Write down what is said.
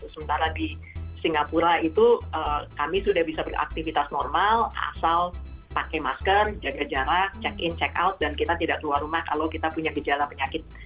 sementara di singapura itu kami sudah bisa beraktivitas normal asal pakai masker jaga jarak check in check out dan kita tidak keluar rumah kalau kita punya gejala penyakit